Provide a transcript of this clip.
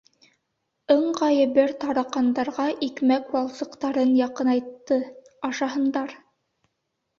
Ыңғайы бер тараҡандарға икмәк валсыҡтарын яҡынайтты: ашаһындар.